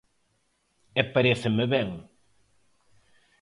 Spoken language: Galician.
E paréceme ben.